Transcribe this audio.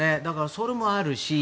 それもあるし